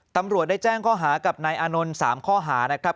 ตำรวจได้แจ้งข้อหากับนายอานนท์๓ข้อหานะครับ